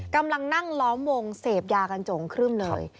กำลังนั่งล้อมวงเสพยากันจงครึ่มเลย